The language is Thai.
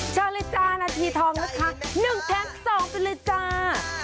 ชอบเลยจ้านาทีทองละค่ะ๑๒เป็นเลยจ้า